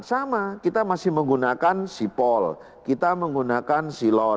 sama kita masih menggunakan sipol kita menggunakan silon